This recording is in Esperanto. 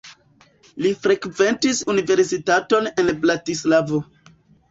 Li frekventis universitaton en Bratislavo.